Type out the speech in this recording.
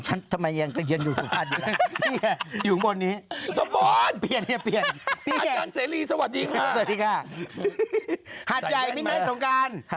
หาดใหญ่มิดไนส์สงการ